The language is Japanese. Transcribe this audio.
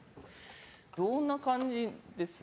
どんな感じです？